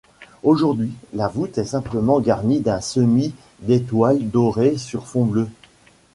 Aujourd’hui, la voûte est simplement garnie d’un semis d’étoiles dorées sur fond bleu.